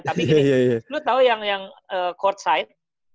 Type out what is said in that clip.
tapi gini lo tahu yang courtside